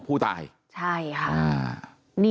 แป๊บหนึ่ง